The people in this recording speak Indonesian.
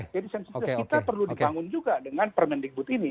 jadi kita perlu dibangun juga dengan permendikbud ini